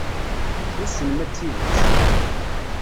Wissen ma d tidet.